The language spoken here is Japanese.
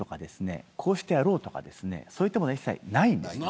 こうしてやろうといったものは一切ないんです。